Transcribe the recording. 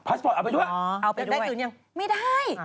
สปอร์ตเอาไปด้วยเอาไปได้คืนยังไม่ได้